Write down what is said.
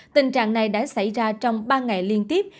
tình trạng này đã xảy ra trong ba ngày liên tiếp